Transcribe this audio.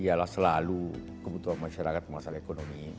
ialah selalu kebutuhan masyarakat masalah ekonomi